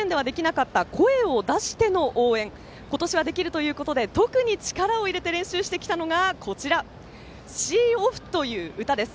去年の夏の甲子園ではできなかった声を出しての応援が今年はできるということで特に力を入れて練習してきたのが「ＳｅｅＯｆｆ」という歌です。